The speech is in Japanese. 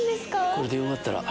これでよかったら。